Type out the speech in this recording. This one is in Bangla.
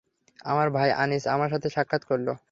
আমার ভাই আনীস আমার সাথে সাক্ষাৎ করল।